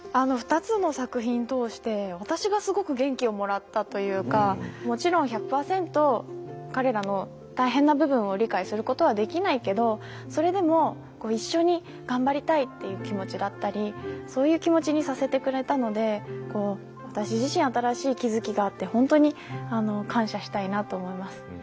２つの作品通して私がすごく元気をもらったというかもちろん１００％彼らの大変な部分を理解することはできないけどそれでも一緒に頑張りたいっていう気持ちだったりそういう気持ちにさせてくれたので私自身新しい気づきがあって本当に感謝したいなと思います。